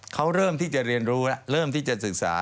เขาเริ่มที่จะเรียนรู้แล้วเริ่มที่จะศึกษา